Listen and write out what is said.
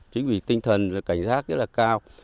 chính vì tinh thần cảnh giác rất là cao